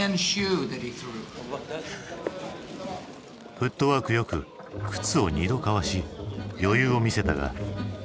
フットワークよく靴を２度かわし余裕を見せたが。